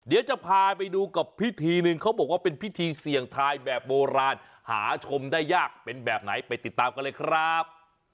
เดี๋ยวจะพาไปดูกับพิธีหนึ่งเขาบอกว่าเป็นพิธีเสี่ยงทายแบบโบราณหาชมได้ยากเป็นแบบไหนไปติดตามกันเลยครับ